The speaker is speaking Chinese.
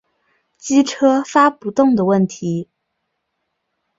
机车发不动的问题